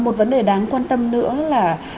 một vấn đề đáng quan tâm nữa là